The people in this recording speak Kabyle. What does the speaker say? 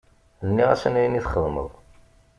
Nniɣ-as ayen i txedmeḍ.